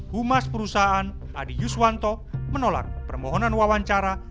humas perusahaan adi yuswanto menolak permohonan wawancara